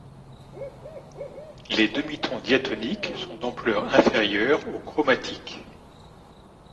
Les demi-tons diatoniques sont d'ampleur inférieure aux chromatiques.